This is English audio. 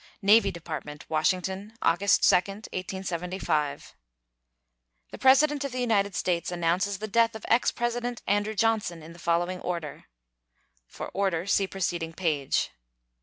NAVY DEPARTMENT, Washington, August 2, 1875. The President of the United States announces the death of ex President Andrew Johnson in the following order: [For order see preceding page.